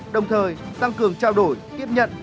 đồng thời tăng cường trao đổi tiếp nhận